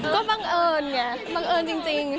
ก็บังเอิญไงบังเอิญจริง